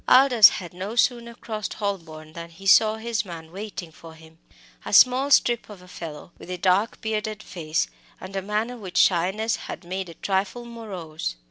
Aldous had no sooner crossed Holborn than he saw his man waiting for him, a tall strip of a fellow, with a dark bearded face, and a manner which shyness had made a trifle morose.